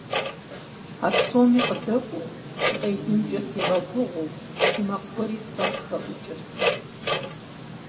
А псоми къадэкӀуэу, сыкъелынкӀэ сигъэгугъэу, зы макъ гуэри псэм къыхэӀукӀырт.